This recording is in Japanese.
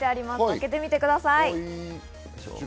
開けてみてください。